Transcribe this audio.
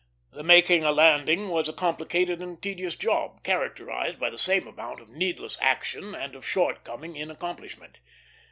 The making a landing was a complicated and tedious job, characterized by the same amount of needless action and of shortcoming in accomplishment.